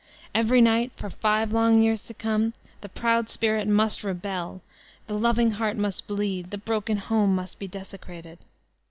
Every night, for five long years to come, the proud spirit noiist rebel, the loving heart must bleed, the broken home most Sex Slavery 343 lie desecrated.